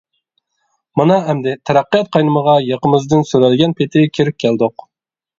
مانا ئەمدى تەرەققىيات قاينىمىغا ياقىمىزدىن سۆرەلگەن پېتى كىرىپ كەلدۇق.